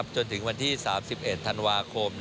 จนถึงวันที่๓๑ธันวาคม